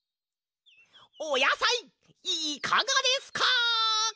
おやさいいかがですか！